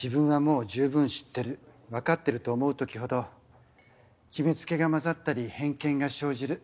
自分はもうじゅうぶん知ってる分かってると思うときほど決め付けが交ざったり偏見が生じる